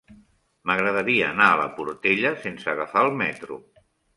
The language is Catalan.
M'agradaria anar a la Portella sense agafar el metro.